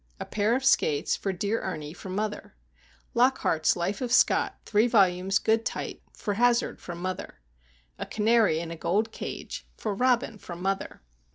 "A pair of skates, for dear Ernie from mother." "Lockhart's Life of Scott,—three volumes, good type,—for Hazard from mother." "A canary in a gold cage, for Robin from mother."